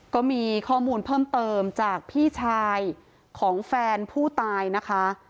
ก็มีข้อมูลเพิ่มเติมจากพี่ชายของแฟนผู้ตายนะคะ